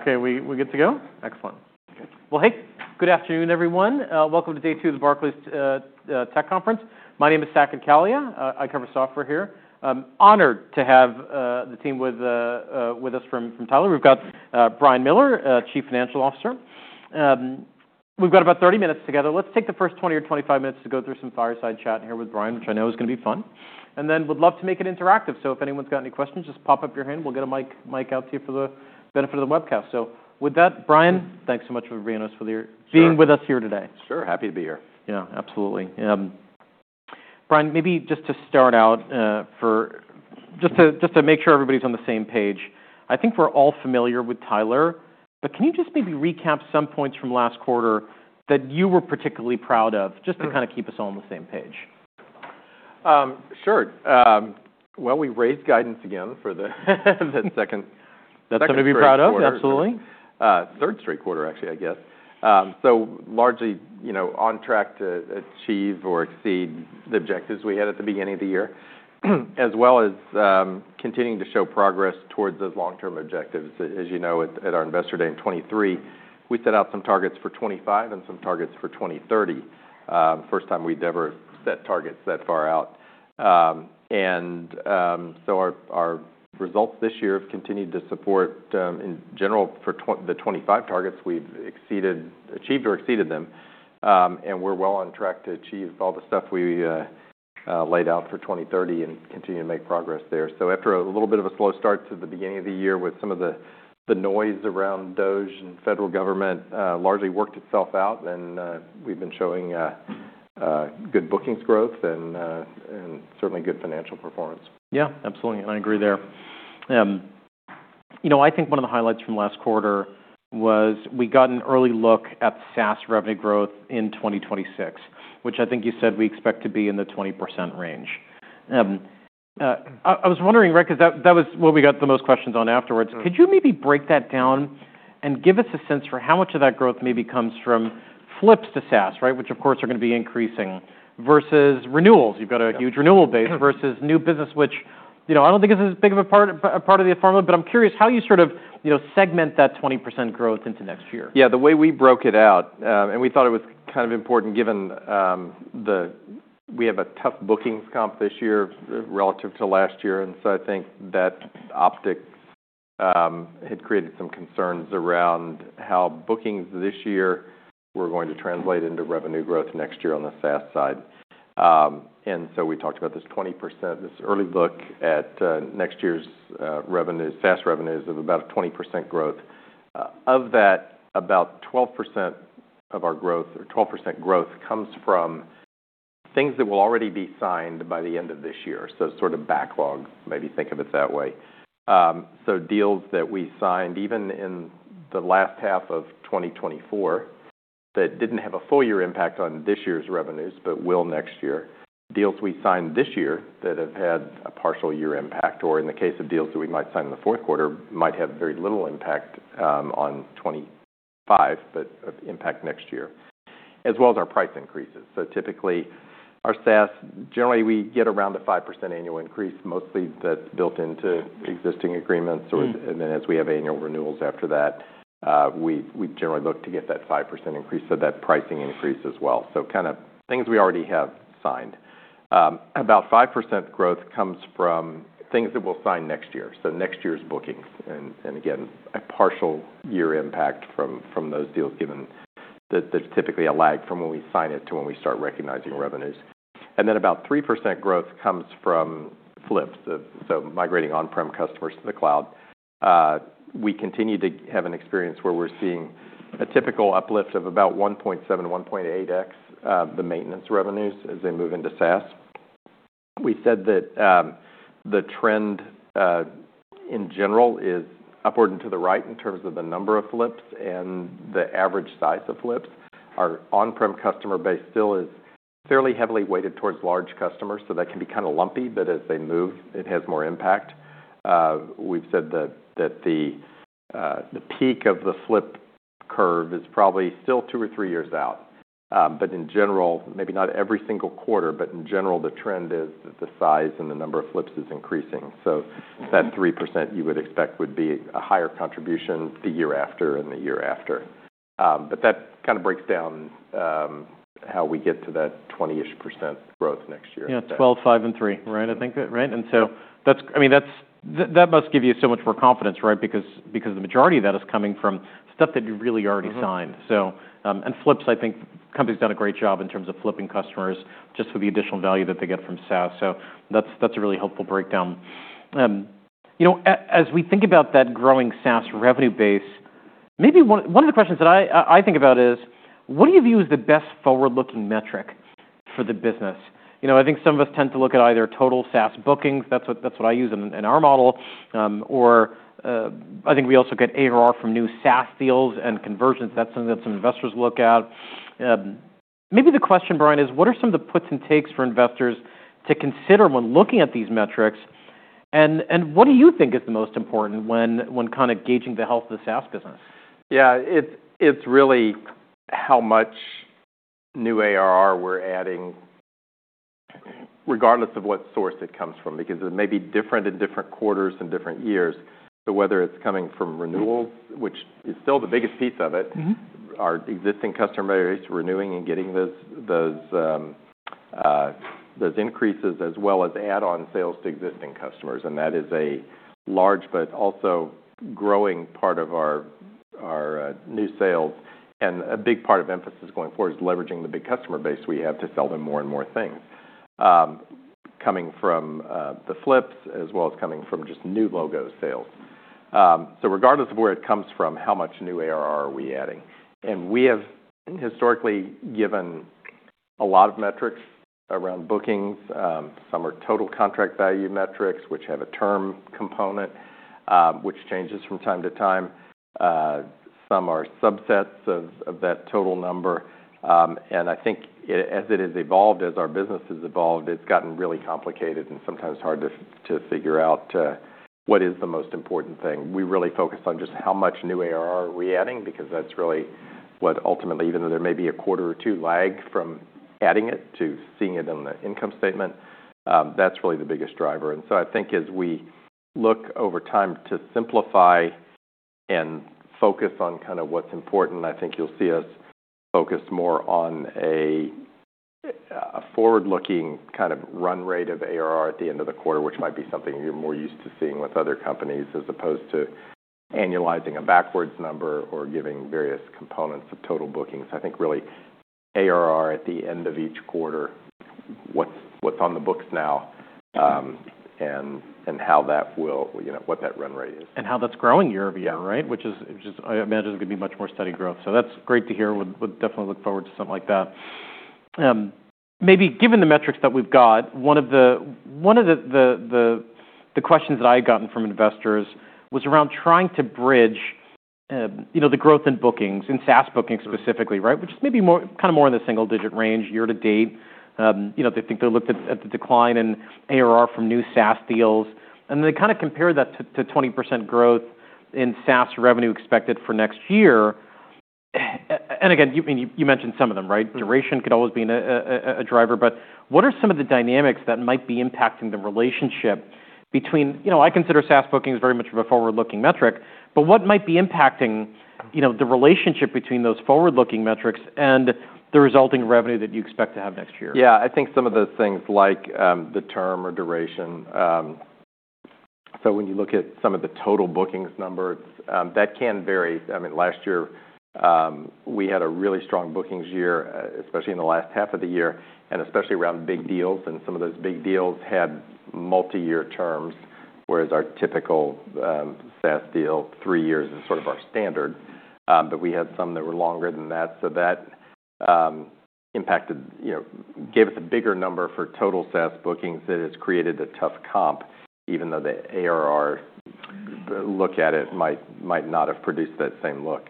Okay, we're good to go? Excellent. Well, hey, good afternoon, everyone. Welcome to day two of the Barclays Tech Conference. My name is Saket Kalia. I cover software here. I'm honored to have the team with us from Tyler. We've got Brian Miller, Chief Financial Officer. We've got about 30 minutes together. Let's take the first 20 or 25 minutes to go through some fireside chatting here with Brian, which I know is going to be fun. And then we'd love to make it interactive. So if anyone's got any questions, just pop up your hand. We'll get a mic out to you for the benefit of the webcast. So with that, Brian, thanks so much for being with us here today. Sure, happy to be here. Yeah, absolutely. Brian, maybe just to start out, just to make sure everybody's on the same page, I think we're all familiar with Tyler, but can you just maybe recap some points from last quarter that you were particularly proud of, just to kind of keep us all on the same page? Sure. Well, we raised guidance again for the second quarter. That's something to be proud of, absolutely. Third straight quarter, actually, I guess, so largely on track to achieve or exceed the objectives we had at the beginning of the year, as well as continuing to show progress towards those long-term objectives. As you know, at our Investor day in 2023, we set out some targets for 2025 and some targets for 2030. First time we'd ever set targets that far out, and so our results this year have continued to support, in general, the 2025 targets we've achieved or exceeded them, and we're well on track to achieve all the stuff we laid out for 2030 and continue to make progress there, so after a little bit of a slow start to the beginning of the year with some of the noise around DOJ and federal government, it largely worked itself out, and we've been showing good bookings growth and certainly good financial performance. Yeah, absolutely, and I agree there. You know, I think one of the highlights from last quarter was we got an early look at SaaS revenue growth in 2026, which I think you said we expect to be in the 20% range. I was wondering, right, because that was what we got the most questions on afterwards. Could you maybe break that down and give us a sense for how much of that growth maybe comes from flips to SaaS, right, which of course are going to be increasing, versus renewals? You've got a huge renewal base versus new business, which I don't think is as big of a part of the formula, but I'm curious how you sort of segment that 20% growth into next year. Yeah, the way we broke it out, and we thought it was kind of important given we have a tough bookings comp this year relative to last year. And so I think that optics had created some concerns around how bookings this year were going to translate into revenue growth next year on the SaaS side. And so we talked about this 20%, this early look at next year's SaaS revenues of about a 20% growth. Of that, about 12% of our growth, or 12% growth, comes from things that will already be signed by the end of this year. So sort of backlog, maybe think of it that way. So deals that we signed even in the last half of 2024 that didn't have a full year impact on this year's revenues, but will next year. Deals we signed this year that have had a partial year impact, or in the case of deals that we might sign in the fourth quarter, might have very little impact on 2025, but impact next year, as well as our price increases, so typically, our SaaS, generally, we get around a 5% annual increase, mostly that's built into existing agreements. And then as we have annual renewals after that, we generally look to get that 5% increase so that pricing increases well, so kind of things we already have signed. About 5% growth comes from things that we'll sign next year, so next year's bookings. And again, a partial year impact from those deals given that there's typically a lag from when we sign it to when we start recognizing revenues. And then about 3% growth comes from flips, so migrating on-prem customers to the cloud. We continue to have an experience where we're seeing a typical uplift of about 1.7x, 1.8x the maintenance revenues as they move into SaaS. We said that the trend in general is upward and to the right in terms of the number of flips and the average size of flips. Our on-prem customer base still is fairly heavily weighted towards large customers, so that can be kind of lumpy, but as they move, it has more impact. We've said that the peak of the flip curve is probably still two or three years out. But in general, maybe not every single quarter, but in general, the trend is that the size and the number of flips is increasing. So that 3% you would expect would be a higher contribution the year after and the year after. But that kind of breaks down how we get to that 20-ish% growth next year. Yeah, 12, five, and three, right? I think, right? And so that must give you so much more confidence, right? Because the majority of that is coming from stuff that you've really already signed. And flips, I think, companies have done a great job in terms of flipping customers just with the additional value that they get from SaaS. So that's a really helpful breakdown. You know, as we think about that growing SaaS revenue base, maybe one of the questions that I think about is, what do you view as the best forward-looking metric for the business? You know, I think some of us tend to look at either total SaaS bookings, that's what I use in our model, or I think we also get ARR from new SaaS deals and conversions. That's something that some investors look at. Maybe the question, Brian, is what are some of the puts and takes for investors to consider when looking at these metrics? And what do you think is the most important when kind of gauging the health of the SaaS business? Yeah, it's really how much new ARR we're adding regardless of what source it comes from, because it may be different in different quarters and different years. So whether it's coming from renewals, which is still the biggest piece of it, our existing customer base renewing and getting those increases, as well as add-on sales to existing customers. And that is a large, but also growing part of our new sales. And a big part of emphasis going forward is leveraging the big customer base we have to sell them more and more things, coming from the flips, as well as coming from just new logo sales. So regardless of where it comes from, how much new ARR are we adding? And we have historically given a lot of metrics around bookings. Some are total contract value metrics, which have a term component, which changes from time to time. Some are subsets of that total number, and I think as it has evolved, as our business has evolved, it's gotten really complicated and sometimes hard to figure out what is the most important thing. We really focus on just how much new ARR are we adding, because that's really what ultimately, even though there may be a quarter or two lag from adding it to seeing it in the income statement, that's really the biggest driver, and so I think as we look over time to simplify and focus on kind of what's important, I think you'll see us focus more on a forward-looking kind of run rate of ARR at the end of the quarter, which might be something you're more used to seeing with other companies, as opposed to annualizing a backwards number or giving various components of total bookings. I think really ARR at the end of each quarter, what's on the books now, and how that will, you know, what that run rate is. And how that's growing year over year, right? Which is, I imagine, it's going to be much more steady growth. So that's great to hear. We'll definitely look forward to something like that. Maybe given the metrics that we've got, one of the questions that I had gotten from investors was around trying to bridge, you know, the growth in bookings, in SaaS bookings specifically, right? Which is maybe kind of more in the single-digit range year to date. You know, they think they looked at the decline in ARR from new SaaS deals. And then they kind of compared that to 20% growth in SaaS revenue expected for next year. And again, you mentioned some of them, right? Duration could always be a driver, but what are some of the dynamics that might be impacting the relationship between, you know, I consider SaaS bookings very much of a forward-looking metric, but what might be impacting, you know, the relationship between those forward-looking metrics and the resulting revenue that you expect to have next year? Yeah, I think some of the things like the term or duration. So when you look at some of the total bookings numbers, that can vary. I mean, last year we had a really strong bookings year, especially in the last half of the year, and especially around big deals. And some of those big deals had multi-year terms, whereas our typical SaaS deal, three years, is sort of our standard. But we had some that were longer than that. So that impacted, you know, gave us a bigger number for total SaaS bookings that has created a tough comp, even though the ARR look at it might not have produced that same look.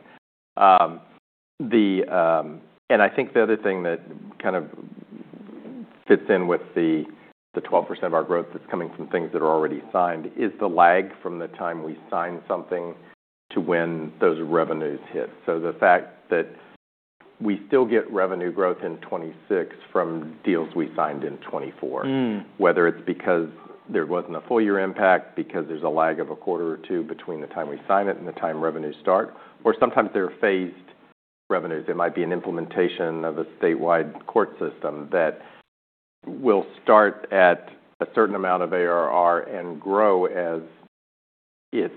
And I think the other thing that kind of fits in with the 12% of our growth that's coming from things that are already signed is the lag from the time we sign something to when those revenues hit. So the fact that we still get revenue growth in 2026 from deals we signed in 2024, whether it's because there wasn't a full year impact, because there's a lag of a quarter or two between the time we sign it and the time revenues start, or sometimes they're phased revenues. It might be an implementation of a statewide court system that will start at a certain amount of ARR and grow as it's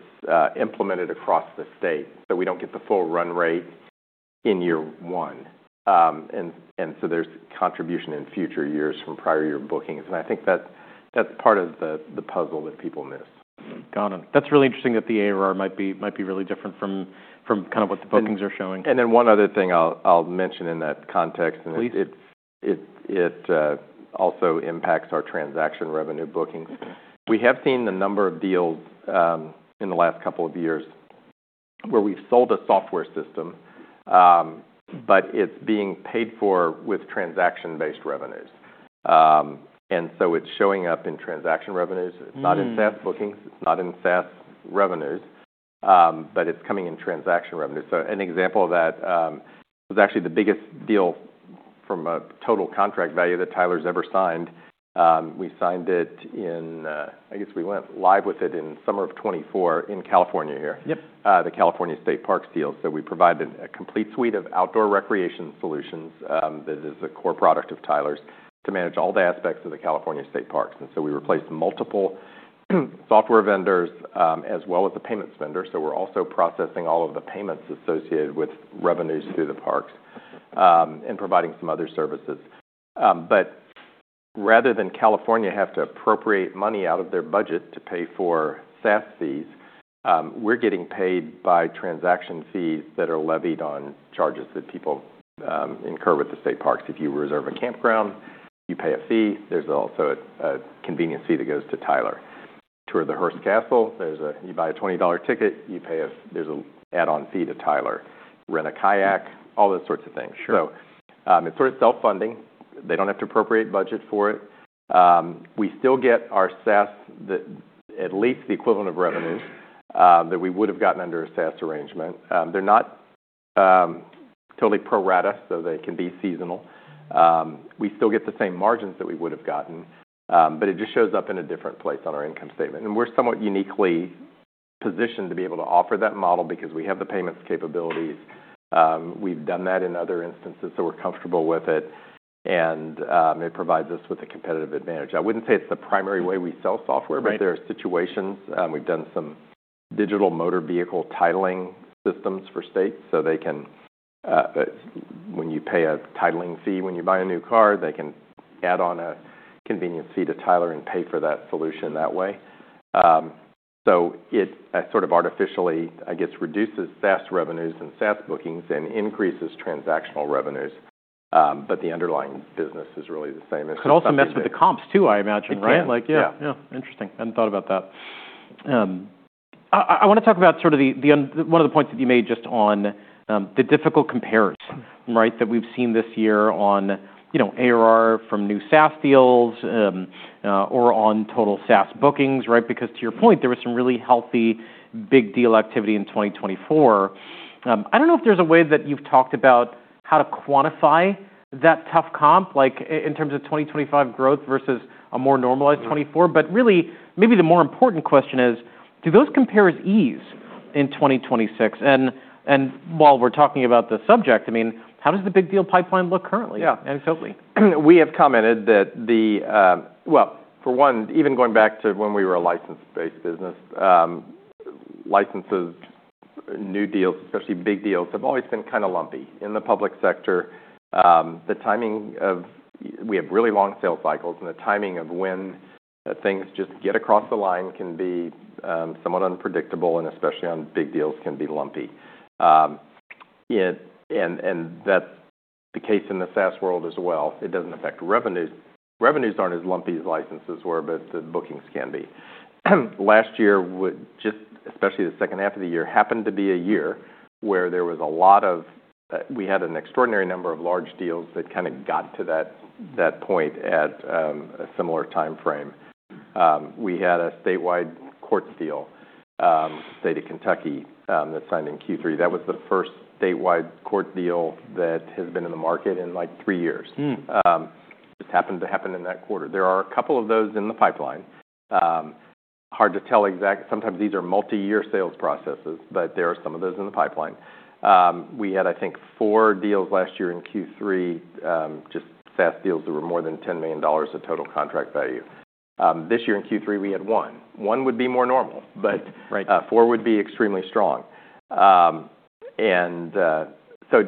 implemented across the state. So we don't get the full run rate in year one. And so there's contribution in future years from prior year bookings. And I think that's part of the puzzle that people miss. Got it. That's really interesting that the ARR might be really different from kind of what the bookings are showing. And then one other thing I'll mention in that context, and it also impacts our transaction revenue bookings. We have seen the number of deals in the last couple of years where we've sold a software system, but it's being paid for with transaction-based revenues. And so it's showing up in transaction revenues. It's not in SaaS bookings. It's not in SaaS revenues, but it's coming in transaction revenues. So an example of that was actually the biggest deal from a total contract value that Tyler's ever signed. We signed it in, I guess we went live with it in summer of 2024 in California here, the California State Parks deal. So we provided a complete suite of outdoor recreation solutions that is a core product of Tyler's to manage all the aspects of the California State Parks. And so we replaced multiple software vendors as well as the payments vendor. So we're also processing all of the payments associated with revenues through the parks and providing some other services. But rather than California have to appropriate money out of their budget to pay for SaaS fees, we're getting paid by transaction fees that are levied on charges that people incur with the state parks. If you reserve a campground, you pay a fee. There's also a convenience fee that goes to Tyler. Tour of the Hearst Castle, you buy a $20 ticket, there's an add-on fee to Tyler. Rent a kayak, all those sorts of things. So it's sort of self-funding. They don't have to appropriate budget for it. We still get our SaaS, at least the equivalent of revenues that we would have gotten under a SaaS arrangement. They're not totally pro-rata, so they can be seasonal. We still get the same margins that we would have gotten, but it just shows up in a different place on our income statement, and we're somewhat uniquely positioned to be able to offer that model because we have the payments capabilities. We've done that in other instances, so we're comfortable with it, and it provides us with a competitive advantage. I wouldn't say it's the primary way we sell software, but there are situations. We've done some digital motor vehicle titling systems for states, so when you pay a titling fee when you buy a new car, they can add on a convenience fee to Tyler and pay for that solution that way, so it sort of artificially, I guess, reduces SaaS revenues and SaaS bookings and increases transactional revenues, but the underlying business is really the same as. Could also mess with the comps too, I imagine, right? Like yeah, yeah, interesting. Hadn't thought about that. I want to talk about sort of one of the points that you made just on the difficult comparison that we've seen this year on, you know, ARR from new SaaS deals or on total SaaS bookings, right? Because to your point, there was some really healthy big deal activity in 2024. I don't know if there's a way that you've talked about how to quantify that tough comp, like in terms of 2025 growth versus a more normalized 2024. But really, maybe the more important question is, do those comparisons ease in 2026? And while we're talking about the subject, I mean, how does the big deal pipeline look currently? Yeah. Anecdotally. We have commented that the, well, for one, even going back to when we were a license-based business, licenses, new deals, especially big deals, have always been kind of lumpy in the public sector. The timing of, we have really long sales cycles and the timing of when things just get across the line can be somewhat unpredictable, and especially on big deals can be lumpy, and that's the case in the SaaS world as well. It doesn't affect revenues. Revenues aren't as lumpy as licenses were, but the bookings can be. Last year, just especially the second half of the year, happened to be a year where there was a lot of, we had an extraordinary number of large deals that kind of got to that point at a similar timeframe. We had a statewide court deal, State of Kentucky, that signed in Q3. That was the first statewide court deal that has been in the market in like three years. Just happened to happen in that quarter. There are a couple of those in the pipeline. Hard to tell exact, sometimes these are multi-year sales processes, but there are some of those in the pipeline. We had, I think, four deals last year in Q3, just SaaS deals that were more than $10 million of total contract value. This year in Q3, we had one. One would be more normal, but four would be extremely strong. And so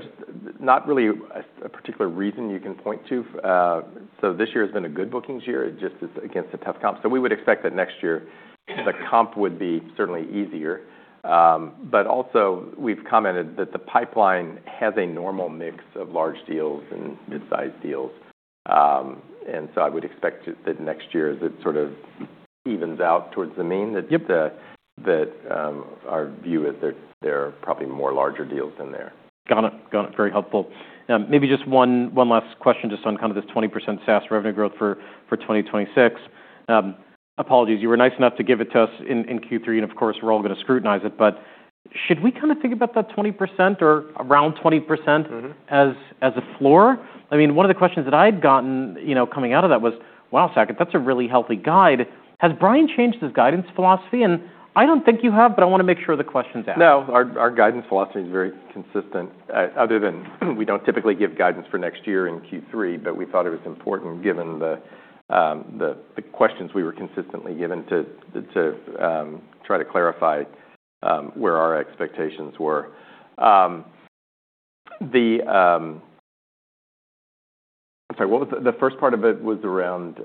not really a particular reason you can point to. So this year has been a good bookings year. It just is against a tough comp. So we would expect that next year the comp would be certainly easier. But also we've commented that the pipeline has a normal mix of large deals and mid-sized deals. And so I would expect that next year as it sort of evens out towards the mean, that our view is there are probably more larger deals in there. Got it. Got it. Very helpful. Maybe just one last question just on kind of this 20% SaaS revenue growth for 2026. Apologies, you were nice enough to give it to us in Q3, and of course we're all going to scrutinize it, but should we kind of think about that 20% or around 20% as a floor? I mean, one of the questions that I had gotten, you know, coming out of that was, wow, Saket, that's a really healthy guide. Has Brian changed his guidance philosophy? And I don't think you have, but I want to make sure the question's asked. No, our guidance philosophy is very consistent, other than we don't typically give guidance for next year in Q3, but we thought it was important given the questions we were consistently given to try to clarify where our expectations were. The, I'm sorry, what was the first part of it was around.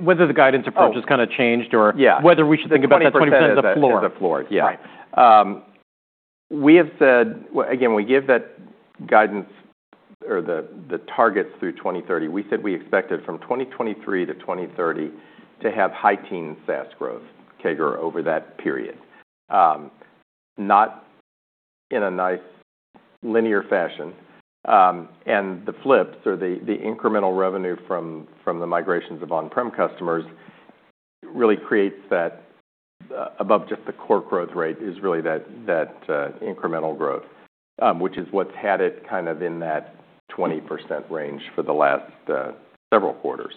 Whether the guidance approach has kind of changed or whether we should think about that 20% as a floor? Yeah. We have said, again, we give that guidance or the targets through 2030. We said we expected from 2023 to 2030 to have high-teens SaaS growth CAGR over that period. Not in a nice linear fashion. And the flips or the incremental revenue from the migrations of on-prem customers really creates that above just the core growth rate is really that incremental growth, which is what's had it kind of in that 20% range for the last several quarters.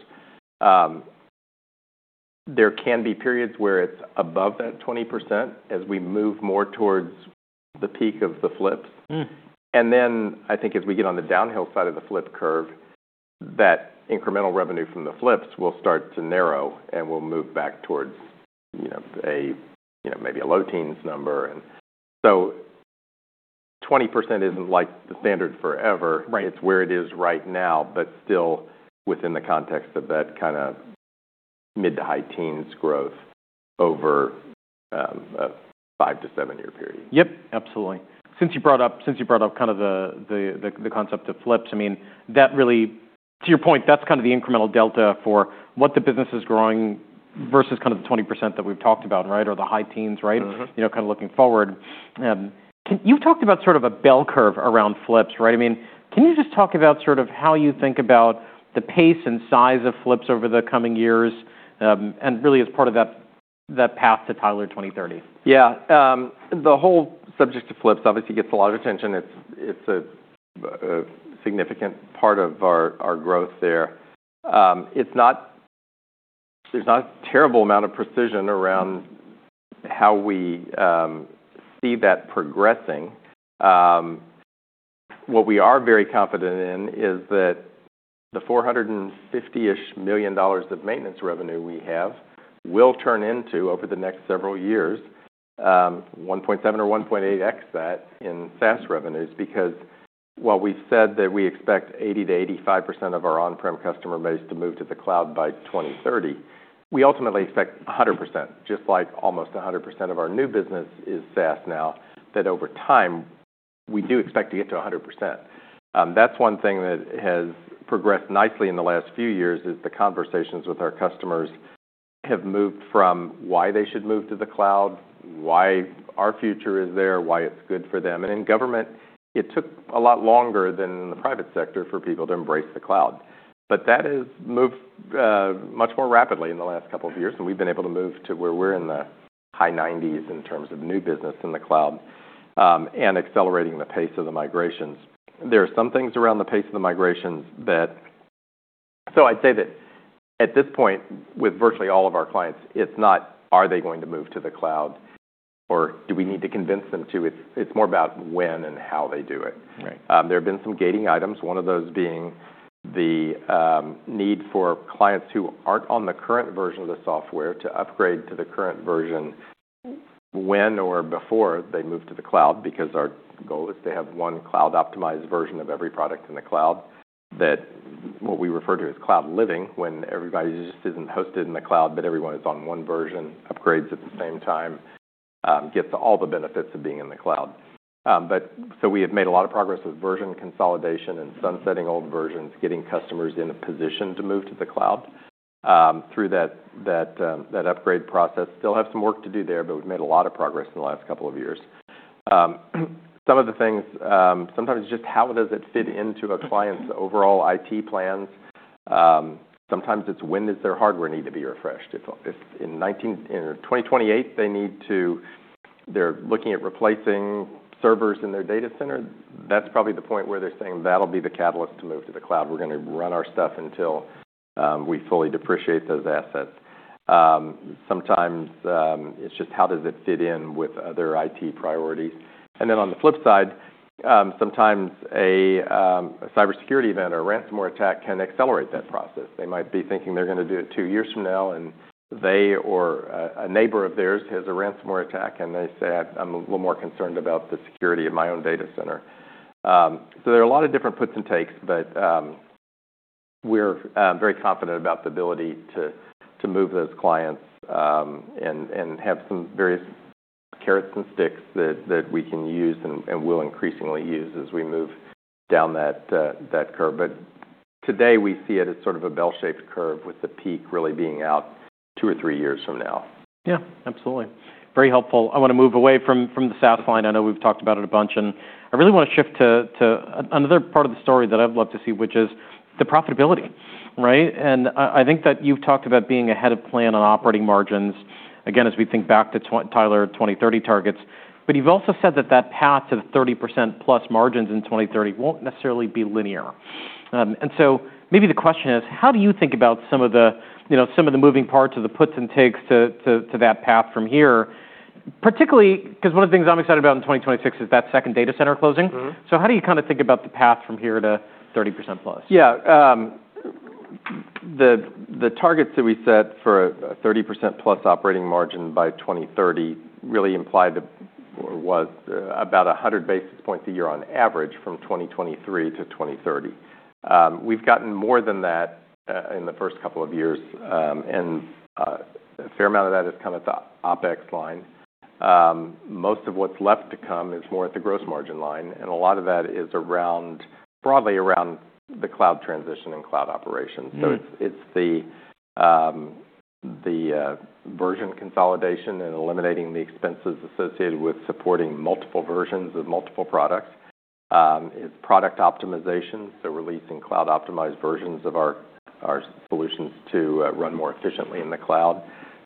There can be periods where it's above that 20% as we move more towards the peak of the flips. And then I think as we get on the downhill side of the flip curve, that incremental revenue from the flips will start to narrow and we'll move back towards, you know, maybe a low-teens number. And so 20% isn't like the standard forever. It's where it is right now, but still within the context of that kind of mid- to high-teens growth over a five- to seven-year period. Yep, absolutely. Since you brought up kind of the concept of flips, I mean, that really, to your point, that's kind of the incremental delta for what the business is growing versus kind of the 20% that we've talked about, right? Or the high teens, right? You know, kind of looking forward. You've talked about sort of a bell curve around flips, right? I mean, can you just talk about sort of how you think about the pace and size of flips over the coming years and really as part of that path to Tyler 2030? Yeah. The whole subject of flips obviously gets a lot of attention. It's a significant part of our growth there. There's not a terrible amount of precision around how we see that progressing. What we are very confident in is that the $450-ish million of maintenance revenue we have will turn into over the next several years, 1.7x or 1.8x that in SaaS revenues. Because while we've said that we expect 80%-85% of our on-prem customer base to move to the cloud by 2030, we ultimately expect 100%, just like almost 100% of our new business is SaaS now, that over time we do expect to get to 100%. That's one thing that has progressed nicely in the last few years is the conversations with our customers have moved from why they should move to the cloud, why our future is there, why it's good for them. And in government, it took a lot longer than in the private sector for people to embrace the cloud. But that has moved much more rapidly in the last couple of years. And we've been able to move to where we're in the high 90s in terms of new business in the cloud and accelerating the pace of the migrations. There are some things around the pace of the migrations that, so I'd say that at this point with virtually all of our clients, it's not are they going to move to the cloud or do we need to convince them to. It's more about when and how they do it. There have been some gating items, one of those being the need for clients who aren't on the current version of the software to upgrade to the current version when or before they move to the cloud. Because our goal is to have one cloud-optimized version of every product in the cloud. That's what we refer to as Cloud Living when everybody just isn't hosted in the cloud, but everyone is on one version, upgrades at the same time, gets all the benefits of being in the cloud. But so we have made a lot of progress with version consolidation and sunsetting old versions, getting customers in a position to move to the cloud through that upgrade process. Still have some work to do there, but we've made a lot of progress in the last couple of years. Some of the things, sometimes just how does it fit into a client's overall IT plans? Sometimes it's when does their hardware need to be refreshed? If in 2028 they need to, they're looking at replacing servers in their data center, that's probably the point where they're saying that'll be the catalyst to move to the cloud. We're going to run our stuff until we fully depreciate those assets. Sometimes it's just how does it fit in with other IT priorities? And then on the flip side, sometimes a cybersecurity event or a ransomware attack can accelerate that process. They might be thinking they're going to do it two years from now and they or a neighbor of theirs has a ransomware attack and they say, "I'm a little more concerned about the security of my own data center." So there are a lot of different puts and takes, but we're very confident about the ability to move those clients and have some various carrots and sticks that we can use and will increasingly use as we move down that curve. But today we see it as sort of a bell-shaped curve with the peak really being out two or three years from now. Yeah, absolutely. Very helpful. I want to move away from the SaaS line. I know we've talked about it a bunch. And I really want to shift to another part of the story that I'd love to see, which is the profitability, right? And I think that you've talked about being ahead of plan on operating margins, again, as we think back to Tyler 2030 targets. But you've also said that that path to the 30%+ margins in 2030 won't necessarily be linear. And so maybe the question is, how do you think about some of the moving parts of the puts and takes to that path from here? Particularly because one of the things I'm excited about in 2026 is that second data center closing. So how do you kind of think about the path from here to 30%+? Yeah. The targets that we set for a 30%+ operating margin by 2030 really implied or was about 100 basis points a year on average from 2023 to 2030. We've gotten more than that in the first couple of years, and a fair amount of that is kind of the OpEx line. Most of what's left to come is more at the gross margin line, and a lot of that is broadly around the cloud transition and cloud operations, so it's the version consolidation and eliminating the expenses associated with supporting multiple versions of multiple products. It's product optimization, so releasing cloud-optimized versions of our solutions to run more efficiently in the cloud.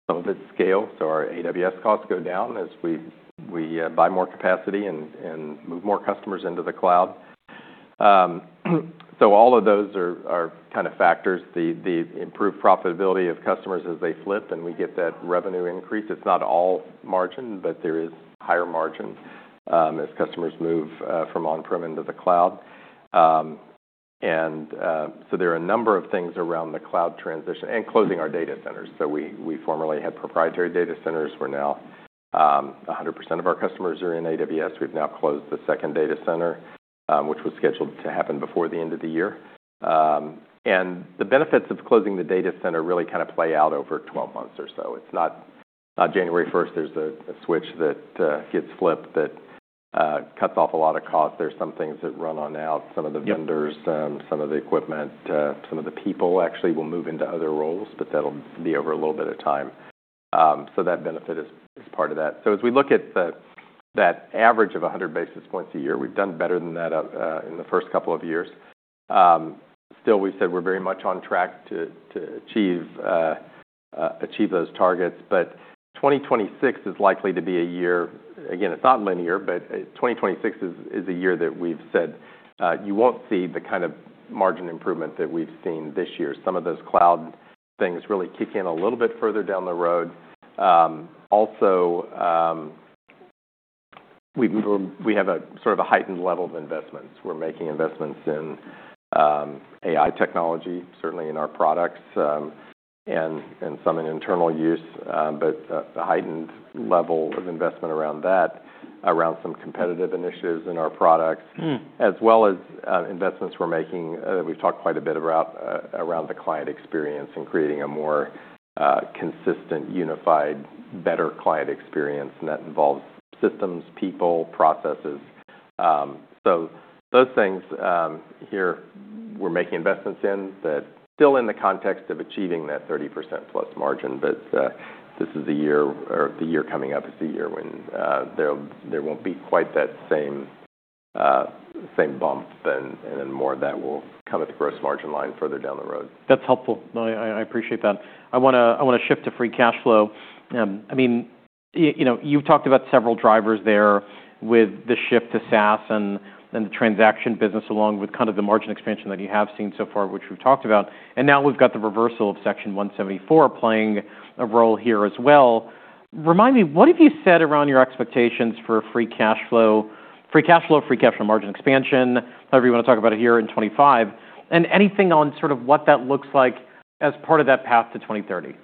Some of it's scale, so our AWS costs go down as we buy more capacity and move more customers into the cloud, so all of those are kind of factors. The improved profitability of customers as they flip and we get that revenue increase. It's not all margin, but there is higher margin as customers move from on-prem into the cloud. And so there are a number of things around the cloud transition and closing our data centers. So we formerly had proprietary data centers. We're now 100% of our customers are in AWS. We've now closed the second data center, which was scheduled to happen before the end of the year. And the benefits of closing the data center really kind of play out over 12 months or so. It's not January 1st. There's a switch that gets flipped that cuts off a lot of costs. There's some things that run on out. Some of the vendors, some of the equipment, some of the people actually will move into other roles, but that'll be over a little bit of time. So that benefit is part of that. So as we look at that average of 100 basis points a year, we've done better than that in the first couple of years. Still, we've said we're very much on track to achieve those targets. But 2026 is likely to be a year, again, it's not linear, but 2026 is a year that we've said you won't see the kind of margin improvement that we've seen this year. Some of those cloud things really kick in a little bit further down the road. Also, we have a sort of a heightened level of investments. We're making investments in AI technology, certainly in our products and some in internal use, but a heightened level of investment around that, around some competitive initiatives in our products, as well as investments we're making that we've talked quite a bit about around the client experience and creating a more consistent, unified, better client experience, and that involves systems, people, processes, so those things here we're making investments in that still in the context of achieving that 30%+ margin, but this is the year or the year coming up is the year when there won't be quite that same bump and then more of that will come at the gross margin line further down the road. That's helpful. I appreciate that. I want to shift to free cash flow. I mean, you've talked about several drivers there with the shift to SaaS and the transaction business along with kind of the margin expansion that you have seen so far, which we've talked about. And now we've got the reversal of Section 174 playing a role here as well. Remind me, what have you said around your expectations for free cash flow, free cash flow, free cash flow margin expansion, however you want to talk about it here in 2025, and anything on sort of what that looks like as part of that path to 2030?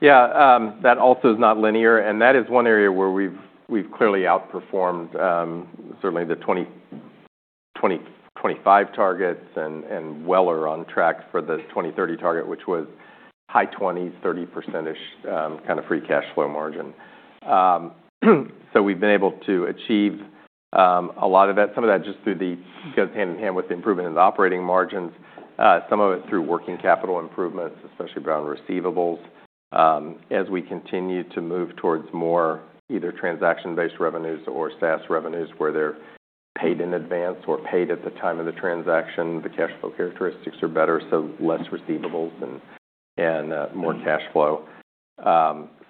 Yeah. That also is not linear. And that is one area where we've clearly outperformed certainly the 2025 targets and well are on track for the 2030 target, which was high 20s, 30%-ish kind of free cash flow margin. So we've been able to achieve a lot of that. Some of that just through that goes hand in hand with the improvement in the operating margins, some of it through working capital improvements, especially around receivables. As we continue to move towards more either transaction-based revenues or SaaS revenues where they're paid in advance or paid at the time of the transaction, the cash flow characteristics are better, so less receivables and more cash flow.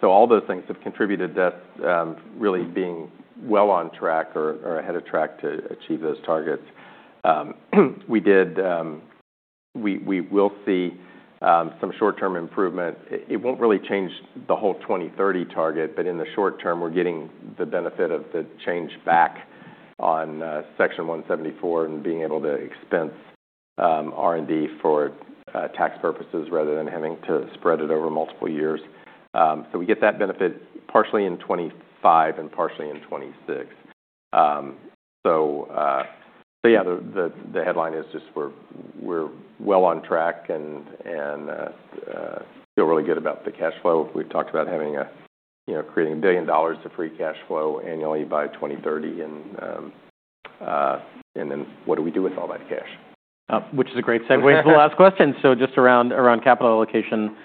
So all those things have contributed to us really being well on track or ahead of track to achieve those targets. We will see some short-term improvement. It won't really change the whole 2030 target, but in the short term, we're getting the benefit of the change back on Section 174 and being able to expense R&D for tax purposes rather than having to spread it over multiple years. So we get that benefit partially in 2025 and partially in 2026. So yeah, the headline is just we're well on track and feel really good about the cash flow. We've talked about creating $1 billion of free cash flow annually by 2030. And then what do we do with all that cash? Which is a great segue to the last question. So just around capital allocation,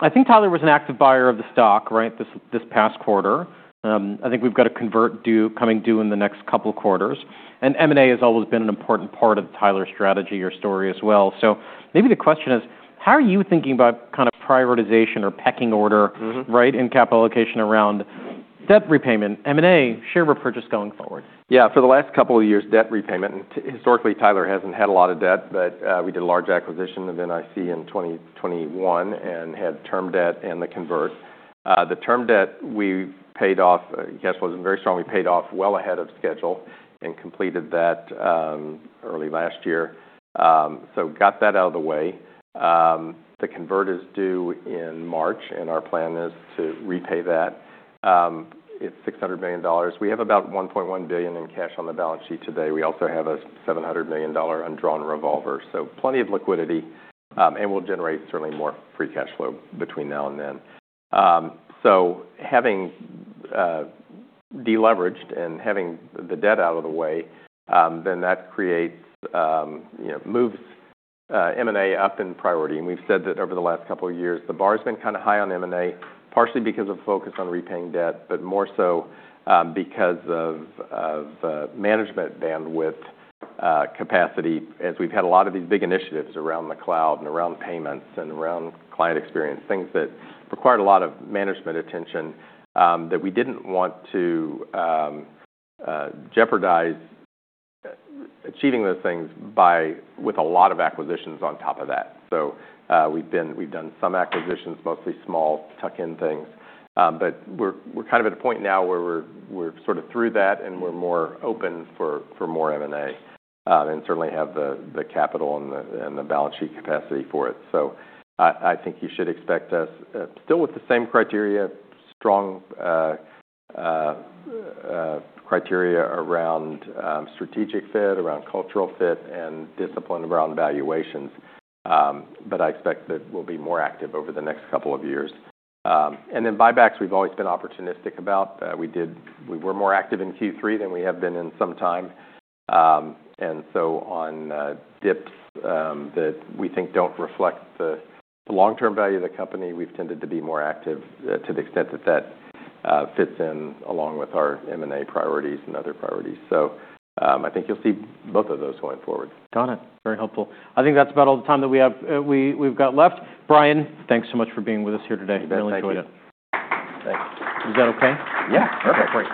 I think Tyler was an active buyer of the stock, right, this past quarter. I think we've got a convert coming due in the next couple of quarters. And M&A has always been an important part of Tyler's strategy or story as well. So maybe the question is, how are you thinking about kind of prioritization or pecking order, right, in capital allocation around debt repayment, M&A, share repurchase going forward? Yeah. For the last couple of years, debt repayment. And historically, Tyler hasn't had a lot of debt, but we did a large acquisition of NIC in 2021 and had term debt and the convert. The term debt we paid off. Cash flow was very strong. We paid off well ahead of schedule and completed that early last year. So got that out of the way. The convert is due in March, and our plan is to repay that. It's $600 million. We have about $1.1 billion in cash on the balance sheet today. We also have a $700 million undrawn revolver. So plenty of liquidity. And we'll generate certainly more free cash flow between now and then. So having deleveraged and having the debt out of the way, then that moves M&A up in priority. And we've said that over the last couple of years, the bar has been kind of high on M&A, partially because of focus on repaying debt, but more so because of management bandwidth capacity. As we've had a lot of these big initiatives around the cloud and around payments and around client experience, things that required a lot of management attention that we didn't want to jeopardize achieving those things with a lot of acquisitions on top of that. So we've done some acquisitions, mostly small tuck-in things. But we're kind of at a point now where we're sort of through that and we're more open for more M&A and certainly have the capital and the balance sheet capacity for it. So I think you should expect us still with the same criteria, strong criteria around strategic fit, around cultural fit, and discipline around valuations. But I expect that we'll be more active over the next couple of years. And then buybacks, we've always been opportunistic about. We were more active in Q3 than we have been in some time. And so on dips that we think don't reflect the long-term value of the company, we've tended to be more active to the extent that that fits in along with our M&A priorities and other priorities. So I think you'll see both of those going forward. Donna, very helpful. I think that's about all the time that we've got left. Brian, thanks so much for being with us here today. You betcha. Really enjoyed it. Thanks. Is that okay? Yeah. Perfect.